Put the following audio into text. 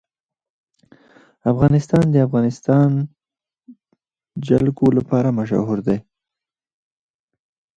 افغانستان د د افغانستان جلکو لپاره مشهور دی.